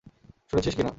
শুনেছিস কি না?